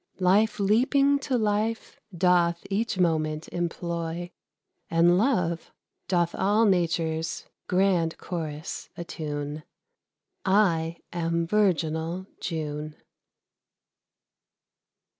Life leaping to life doth each moment employ, And love doth all Nature's grand chorus attune. I am virginal June.